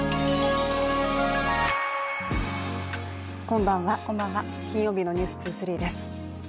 こんばんは、金曜日の「ｎｅｗｓ２３」です。